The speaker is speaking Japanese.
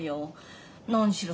何しろ